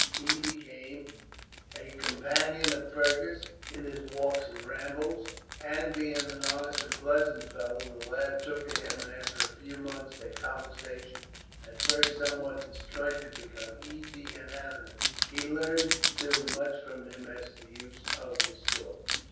He became a companion of Fergus in his walks and rambles and, being an honest and pleasant fellow, the lad took to him; and after a few months their conversation, at first somewhat disjointed, became easy and animated. He learned, too, much from him as to the use of his sword.